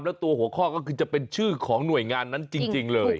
แล้วตัวหัวข้อก็คือจะเป็นชื่อของหน่วยงานนั้นจริงเลย